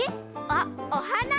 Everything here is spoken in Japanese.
あっおはな？